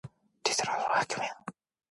차에서 내려!